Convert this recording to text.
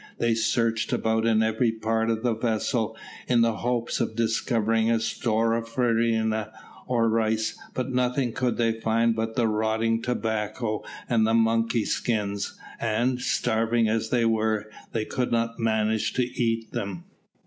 They searched about in every part of the vessel, in the hopes of discovering a store of farina or rice, but nothing could they find but the rotting tobacco and the monkey skins, and, starving as they were, they could not manage to eat them.